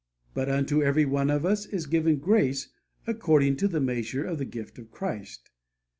'But unto every one of us is given grace according to the measure of the gift of Christ.'